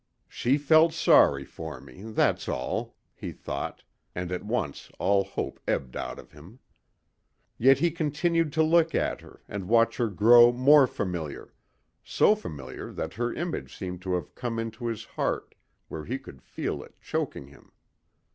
"She felt sorry for me, that's all," he thought and at once all hope ebbed out of him. Yet he continued to look at her and watch her grow more familiar, so familiar that her image seemed to have come into his heart where he could feel it choking him.